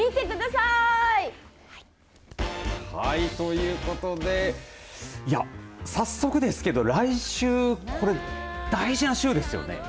はい、ということでさっそくですけど来週大事な週ですよね。